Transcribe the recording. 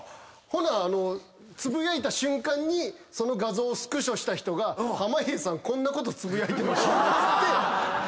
ほなつぶやいた瞬間にその画像をスクショした人が濱家さんこんなことつぶやいてましたよっつって。